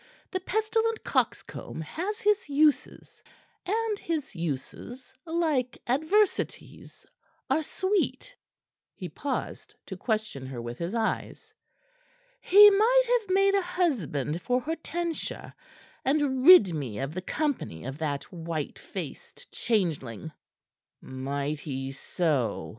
"The pestilent coxcomb has his uses, and his uses, like adversity's, are sweet." He paused to question her with his eyes. "He might have made a husband for Hortensia, and rid me of the company of that white faced changeling." "Might he so?"